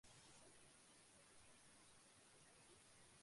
やけに読点が多い文章だな